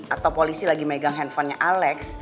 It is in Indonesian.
atau polisi lagi megang handphonenya alex